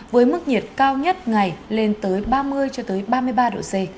với mức nhiệt cao nhất ngày lên tới ba mươi cho tới ba mươi ba độ c